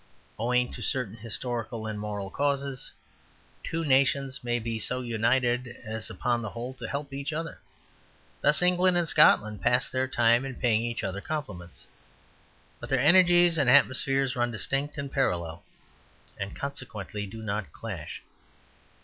Owing to certain historical and moral causes, two nations may be so united as upon the whole to help each other. Thus England and Scotland pass their time in paying each other compliments; but their energies and atmospheres run distinct and parallel, and consequently do not clash.